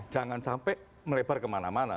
jangan sampai melebar kemana mana